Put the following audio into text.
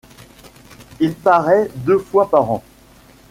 Il paraît deux fois par an.